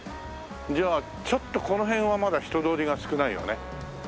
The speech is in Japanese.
ちょっとこの辺はまだ人通りが少ないよね。